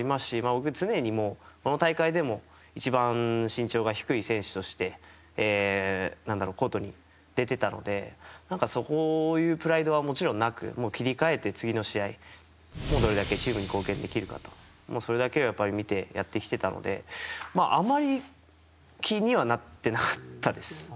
僕は常にこの大会でも一番身長が低い選手としてコートに出ていたのでそういうプライドはもちろんなく切り替えて次の試合にどれだけチームに貢献できるか、それだけを見てやってきていたのであまり気にはなっていなかったです。